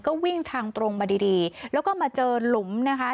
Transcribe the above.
ก็วิ่งทางตรงมาดีดีแล้วก็มาเจอหลุมนะคะ